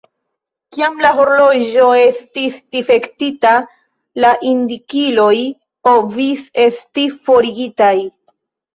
Kiam la horloĝo estis difektita, la indikiloj povis esti forigitaj.